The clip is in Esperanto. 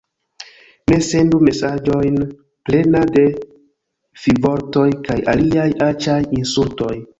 Ne sendu mesaĝojn plena de fivortoj kaj aliaj aĉaj insultoj